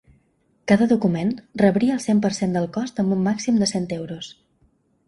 Cada document rebria el cent per cent del cost amb un màxim de cent euros.